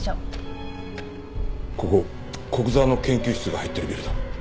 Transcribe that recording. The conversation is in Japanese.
ここ古久沢の研究室が入ってるビルだ。